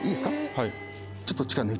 はい。